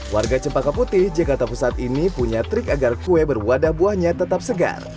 warga cempaka putih jakarta pusat ini punya trik agar kue berwadah buahnya tetap segar